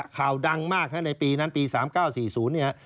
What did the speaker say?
ข่าวดังมากฮะในปีนั้นปี๓๙๔๐เนี่ย